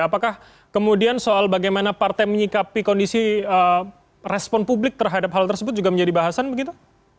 apakah kemudian soal bagaimana partai menyikapi kondisi respon publik terhadap hal tersebut juga menjadi bahasan begitu